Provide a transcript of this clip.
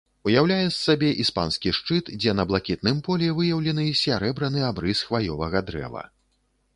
Уяўляе з сабе іспанскі шчыт, дзе на блакітным полі выяўлены сярэбраны абрыс хваёвага дрэва.